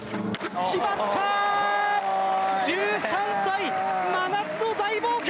決まった、１３歳真夏の大冒険！